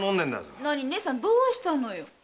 義姉さんどうしたのよ？